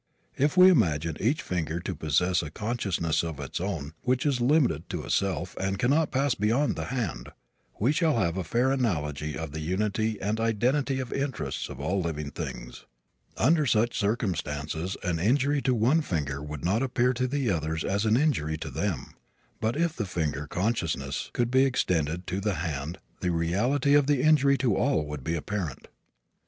If we imagine each finger to possess a consciousness of its own, which is limited to itself and cannot pass beyond to the hand, we shall have a fair analogy of the unity and identity of interests of all living things. Under such circumstances an injury to one finger would not appear to the others as an injury to them, but if the finger consciousness could be extended to the hand the reality of the injury to all would be apparent.